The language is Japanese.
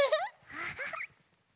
アハハ！